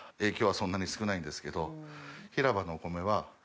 そんなに少ないんですけど。